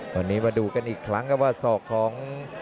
วันนี้มาดูกันอีกครั้งครับว่าศอกของ